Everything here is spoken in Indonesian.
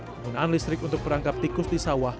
penggunaan listrik untuk perangkap tikus di sawah